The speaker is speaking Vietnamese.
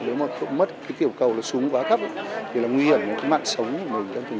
nếu mà mất cái tiểu cầu nó xuống quá cấp thì là nguy hiểm mạng sống của mình